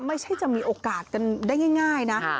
ไม่ใช่จะมีโอกาสกันได้ง่ายนะ